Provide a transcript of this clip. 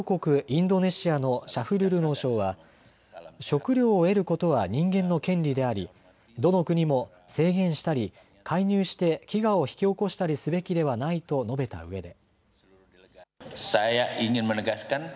インドネシアのシャフルル農相は食料を得ることは人間の権利でありどの国も制限したり介入して飢餓を引き起こしたりすべきではないと述べたうえで。